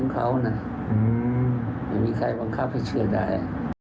ก็เชื่อได้